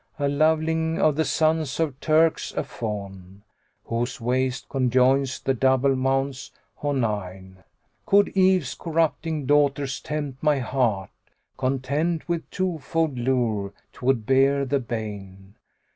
A loveling, of the sons of Turks,[FN#90] a fawn * Whose waist conjoins the double Mounts Honayn.[FN#91] Could Eve's corrupting daughers[FN#92] tempt my heart * Content with two fold lure 'twould bear the bane.